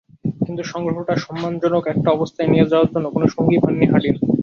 কিন্তু সংগ্রহটা সম্মানজনক একটা অবস্থায় নিয়ে যাওয়ার জন্য কোনো সঙ্গীই পাননি হাডিন।